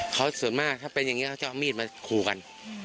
เขาส่วนมากถ้าเป็นอย่างนี้เขาจะเอามีดมาขู่กัน